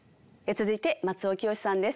続いて松尾潔さんです